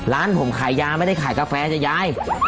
ร้านผมขายยาไม่ได้ขายกาแฟจะยาย